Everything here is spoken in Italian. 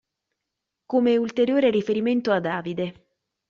דודה, come ulteriore riferimento a Davide.